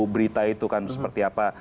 berita itu kan seperti apa